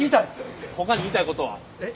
ほかに言いたいことは？